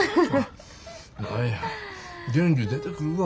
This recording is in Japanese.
何や元気出てくるわ。